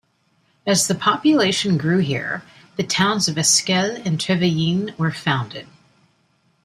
As the population grew here, the towns of Esquel and Trevelin were founded.